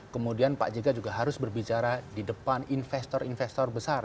kemudian pak jk juga harus berbicara di depan investor investor besar